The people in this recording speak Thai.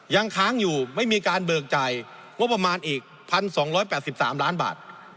ยังค้างอยู่ไม่มีการเบิกจ่ายงบประมาณอีก๑๒๘๓ล้านบาท